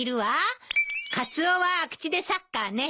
カツオは空き地でサッカーね。